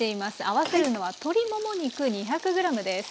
合わせるのは鶏もも肉２００ｇです。